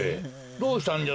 どうしたんじゃ？